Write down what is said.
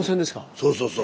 そうそうそうそう。